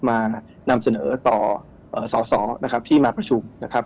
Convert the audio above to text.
มานำเสนอต่อสอสอนะครับที่มาประชุมนะครับ